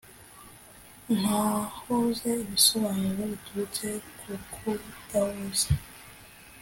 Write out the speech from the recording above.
ntahuze ibisobanuro biturutse ku kudahuza.